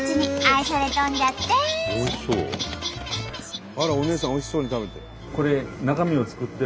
あらおねえさんおいしそうに食べて。